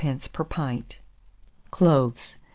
per pint. CLOVES.